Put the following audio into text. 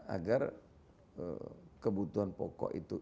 agar kebutuhan pokok itu